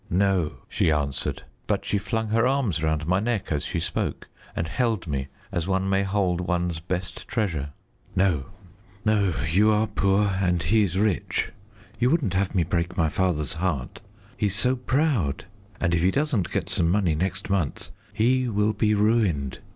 "No," she answered, but she flung her arms round my neck as she spoke, and held me as one may hold one's best treasure. "No, no; you are poor, and he is rich. You wouldn't have me break my father's heart: he's so proud, and if he doesn't get some money next month, he will be ruined.